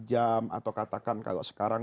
jam atau katakan kalau sekarang